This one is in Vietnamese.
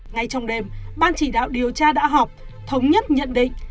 ngay trong đêm ban chỉ đạo điều tra đã họp thống nhất nhận định